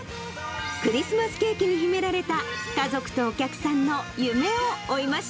クリスマスケーキに秘められた、家族とお客さんの夢を追いました。